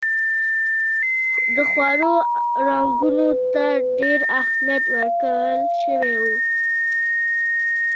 د خوړو رنګونو ته ډېر اهمیت ورکول شوی و.